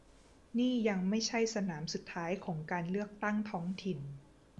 นี่ยังไม่ใช่สนามสุดท้ายของการเลือกตั้งท้องถิ่น